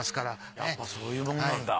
やっぱそういうものなんだ。